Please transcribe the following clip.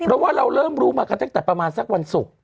เพราะว่าเราเริ่มรู้มากันตั้งแต่ประมาณสักวันศุกร์